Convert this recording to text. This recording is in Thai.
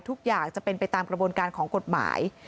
ทุกอย่างจะเป็นไปตามกระบวนการของกฎหมาย